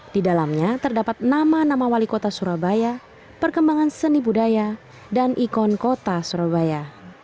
di dalamnya terdapat nama nama wali kota surabaya perkembangan seni budaya dan ikon kota surabaya